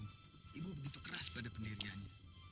ibu begitu keras pada pendiriannya